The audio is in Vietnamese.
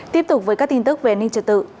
tiếp tục với các tin tức về an ninh trật tự